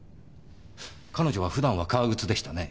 彼女は普段は革靴でしたね。